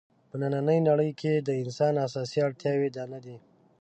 په نننۍ نړۍ کې د انسان اساسي اړتیاوې دا نه دي.